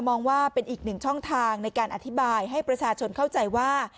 มองว่าเป็นอีกหนึ่งช่องทางในการอธิบายให้ประชาชนเข้าใจว่า